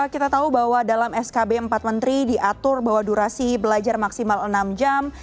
kita tahu bahwa dalam skb empat menteri diatur bahwa durasi belajar maksimal enam jam